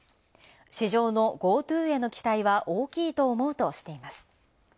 市場のＧｏＴｏーの期待は大きいと思うとしています。